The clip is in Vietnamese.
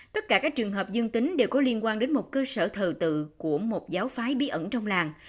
tất cả các trường hợp dương tính đều có liên quan đến một cơ sở thờ tự của một giáo phái bí ẩn trong làng